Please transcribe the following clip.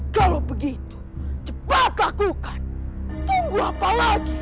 kalau begitu cepat lakukan tunggu apa lagi